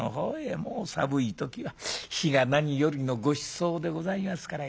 もう寒い時は火が何よりのごちそうでございますから。